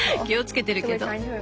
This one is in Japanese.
気を付けてるけど。